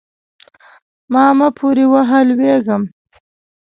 ما مه پورې وهه؛ لوېږم.